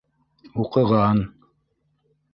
Уҡыған...